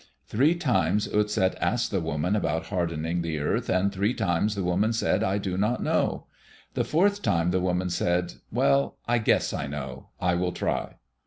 Three times Utset asked the woman about hardening the earth, and three times the woman said, "I do not know." The fourth time the woman said, "Well, I guess I know. I will try."